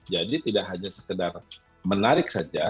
jadi tidak hanya sekedar menarik saja